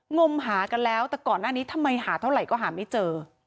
งมหากันแล้วแต่ก่อนหน้านี้ทำไมหาเท่าไหร่ก็หาไม่เจอ